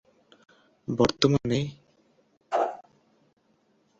বর্তমানেও এই পদে কর্মরত আছেন।